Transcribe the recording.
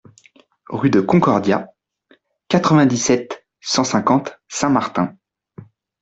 RUE DE CONCORDIA, quatre-vingt-dix-sept, cent cinquante Saint Martin